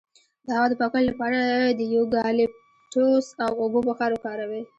د هوا د پاکوالي لپاره د یوکالیپټوس او اوبو بخار وکاروئ